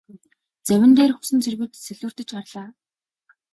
Завин дээрх усан цэргүүд ч сэлүүрдэж гарлаа.